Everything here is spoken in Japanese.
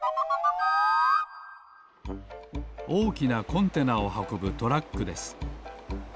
おおきなコンテナをはこぶトラックです。